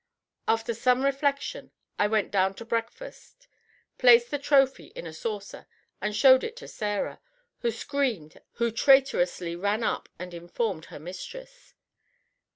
After some reflection I went down to breakfast, placed the trophy in a saucer, and showed it to Sarah, who screamed and traitorously ran up and informed her mistress.